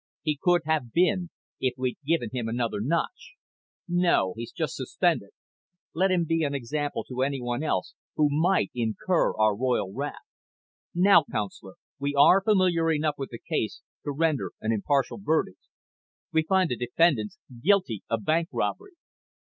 "He could have been, if we'd given him another notch. No, he's just suspended. Let him be an example to anyone else who might incur our royal wrath. Now, counselor, we are familiar enough with the case to render an impartial verdict. We find the defendants guilty of bank robbery."